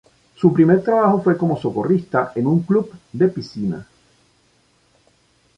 Su primer trabajo fue como socorrista en un club de piscina.